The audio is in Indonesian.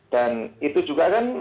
dan itu juga kan